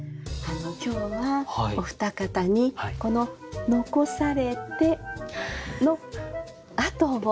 今日はお二方にこの「遺されて」のあとを。